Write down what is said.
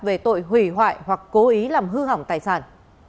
về tội hủy hoại hoặc cố ý làm hư hỏng tài sản